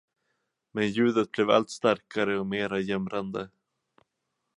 Men ljudet blev allt starkare och mera jämrande.